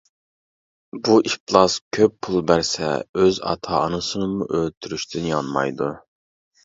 بۇ ئىپلاس كۆپ پۇل بەرسە ئۆز ئاتا-ئانىسىنىمۇ ئۆلتۈرۈشتىن يانمايدۇ.